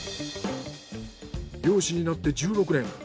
漁師になって１６年。